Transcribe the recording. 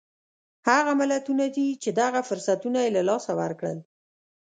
هغه ملتونه دي چې دغه فرصتونه یې له لاسه ورکړل.